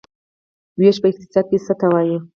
ویش په اقتصاد کې څه ته وايي؟